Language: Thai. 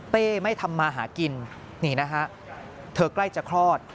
ไม่ทำมาหากินนี่นะฮะเธอใกล้จะคลอด